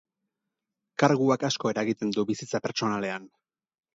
Karguak asko eragiten du bizitza pertsonalean.